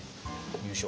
よいしょ。